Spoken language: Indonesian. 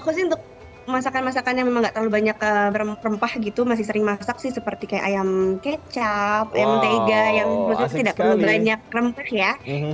aku sih untuk masakan masakan yang memang gak terlalu banyak rempah gitu masih sering masak sih seperti kayak ayam kecap ayam tega yang maksudnya tidak perlu banyak rempah ya